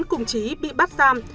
cùng chí bị bắt giam